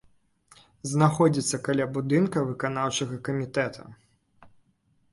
Знаходзіцца каля будынка выканаўчага камітэта.